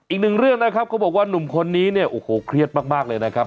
อีกหนึ่งเรื่องนะครับเขาบอกว่าหนุ่มคนนี้เนี่ยโอ้โหเครียดมากเลยนะครับ